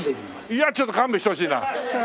いやちょっと勘弁してほしいな。